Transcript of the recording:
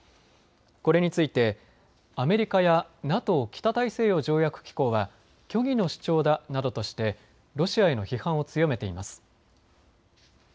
これについてアメリカやＮＡＴＯ・北大西洋条約機構は虚偽の主張だなどとしてロシアへの批判を強めています。